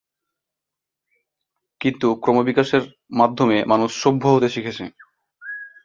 কিন্তু ক্রমবিকাশের মাধ্যমে মানুষ সভ্য হতে শিখেছে।